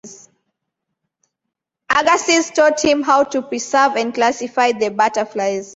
Agassiz taught him how to preserve and classify the butterflies.